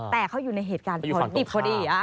แต่เขาอยู่ในเหตุการณ์พอดี